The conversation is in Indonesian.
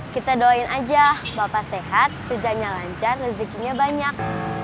kita doain aja bapak sehat kerjanya lancar rezekinya banyak